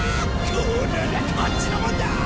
こうなりゃこっちのもんだ！